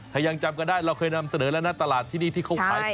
ถ้ายังจำกันได้เราเคยนำเสนอแล้วนะตลาดที่นี่ที่เขาขายต่อ